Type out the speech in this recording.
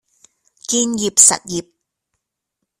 建業實業